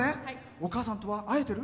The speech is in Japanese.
お母さんとは会えてる？